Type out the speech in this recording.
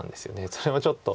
それもちょっと。